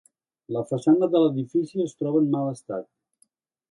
La façana de l’edifici es troba en mal estat.